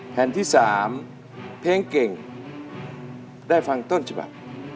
แผ่นที่๓เพลงเก่งได้ฟังต้นฉบับ